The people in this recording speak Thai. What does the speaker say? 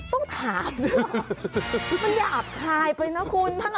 ต้องถามด้วยมันหยาบทายไปนะคุณ